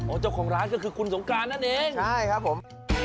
เจ้าของร้านก็คือคุณสงการนั่นเองใช่ครับผม